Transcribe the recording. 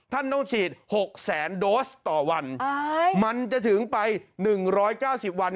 ท่านต้องฉีดหกแสนโดสต่อวันมันจะถึงไปหนึ่งร้อยเก้าสิบวัน